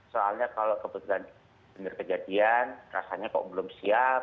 soalnya kalau kebetulan benar kejadian rasanya kok belum siap